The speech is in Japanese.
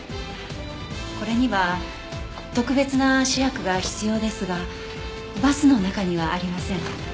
これには特別な試薬が必要ですがバスの中にはありません。